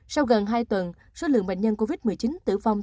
sau gần hai tuần số lượng bệnh nhân covid một mươi chín tử vong